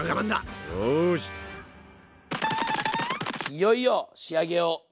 いよいよ仕上げを。